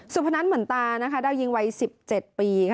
สุพนัทเหมือนตานะคะได้ยิงวัย๑๗ปี